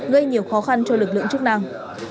gây nhiều khó khăn cho lực lượng chức năng